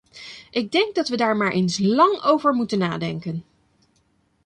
Ik denk dat we daar maar eens lang over moeten nadenken.